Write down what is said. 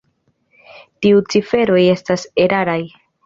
Tiuj ciferoj estas eraraj.